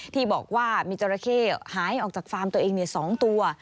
ที่บอกว่ามีจราเข้หายออกจากฟาร์มตัวเอง๒ตัว